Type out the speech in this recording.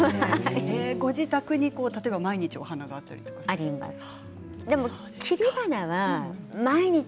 ご自宅に毎日花があったりするんですか？